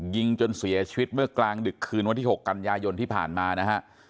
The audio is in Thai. ยิงจนเสียชีวิตเมื่อกลางดึกคืนวันที่๖กันยายนที่ผ่านมานะฮะ